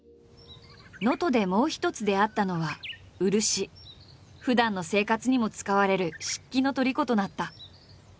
能登でもう一つ出会ったのはふだんの生活にも使われる漆器のとりことなった。